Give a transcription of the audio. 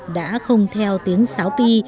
đã không theo tiếng sáo pi